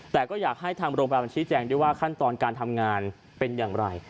แต่ก็อยากให้ทางโรงพยาบาลชี้แจงด้วยว่าขั้นตอนการทำงานเป็นอย่างไร